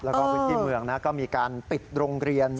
กรุ่นที่เมืองก็มีการติดโรงเรียน